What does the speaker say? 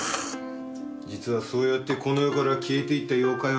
実はそうやってこの世から消えていった妖怪は多い。